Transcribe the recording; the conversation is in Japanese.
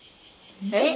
えっ？